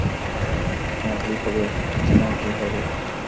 জিনার কী হবে?